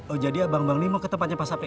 oh jadi abang bang ini mau ke tempatnya pak sapi